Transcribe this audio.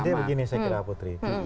artinya begini saya kira putri